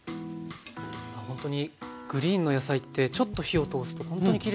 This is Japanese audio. ほんとにグリーンの野菜ってちょっと火を通すとほんとにきれいになりますね。